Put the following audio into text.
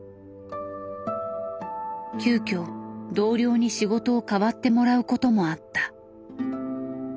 急きょ同僚に仕事をかわってもらうこともあった。